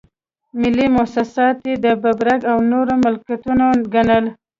ملي مواسسات یې د ببرک او نورو ملکيتونه ګڼل.